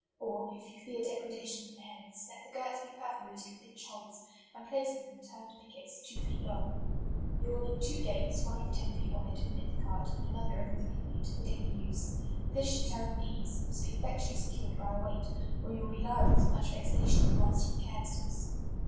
Or, if you fear depredation from hens, let the girts be perforated with inch holes, and place in them turned pickets, two feet long. MARCH* S3 Yotf will need two gates, one of ten (eei wide, to admit the cart, and another of three feet, for daily use. This should turn with ease, and must be effectually secured by a weight, or you will be liable to much vexa tion and loss, from carelessness.